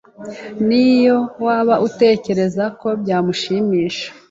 niyo waba utekereza ko byamushimisha